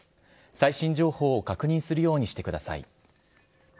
最新情報を確認するようにしてください。